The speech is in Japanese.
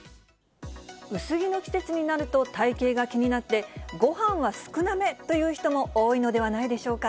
薄着の季節になると、体形が気になって、ごはんは少なめという人も多いのではないでしょうか。